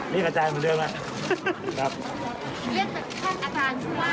เรียกอาจารย์มาเรียกไหม